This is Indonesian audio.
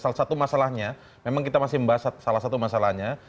salah satu masalahnya memang kita masih membahas salah satu masalahnya